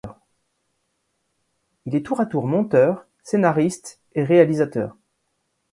Il est tour à tour monteur, scénariste et réalisateur.